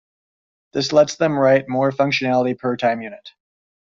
This lets them write more functionality per time unit.